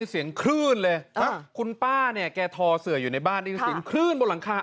เสียงคลื่นเลยคุณป้าเนี่ยแกทอเสืออยู่ในบ้านได้ยินเสียงคลื่นบนหลังคา